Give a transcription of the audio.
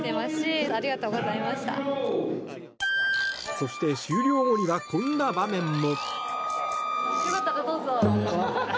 そして、終了後にはこんな場面も。